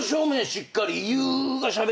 しっかりと。